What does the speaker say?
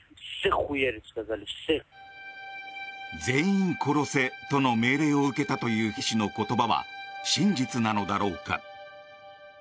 全員殺せとの命令を受けたという兵士の言葉は真実なのだろうか。